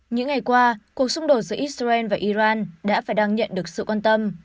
những ngày qua cuộc xung đột giữa israel và iran đã phải đăng nhận được sự quan tâm